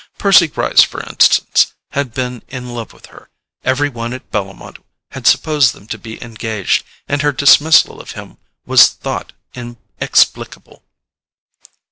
Percy Gryce, for instance, had been in love with her—every one at Bellomont had supposed them to be engaged, and her dismissal of him was thought inexplicable.